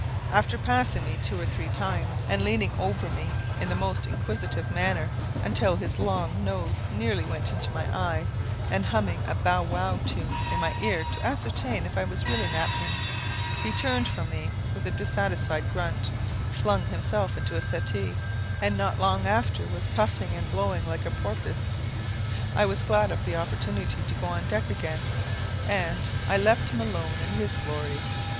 After passing me two or three times, and leaning over me in the most inquisitive manner, until his long nose nearly went into my eye, and humming a bow wow tune in my ear to ascertain if I were really napping, he turned from me with a dissatisfied grunt, flung himself into a settee, and not long after was puffing and blowing like a porpoise. I was glad of this opportunity to go on deck again, and "I left him alone in his glory."